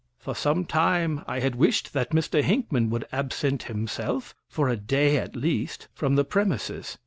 For some time I had wished that Mr. Hinckman would absent himself, for a day at least, from the premises.